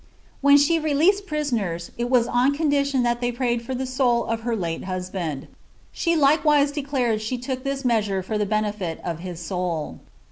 When she released prisoners, it was n cooidition that they prayed for the soul of her late husband. She kewise declared she took this measure for the benefit of his soul."